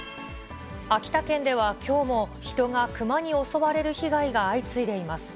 秋田県ではきょうも人がクマに襲われる被害が相次いでいます。